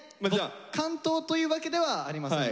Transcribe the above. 完答というわけではありませんでした。